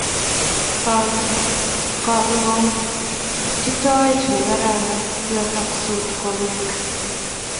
Koruotitoet nekararan, yotoktos konyek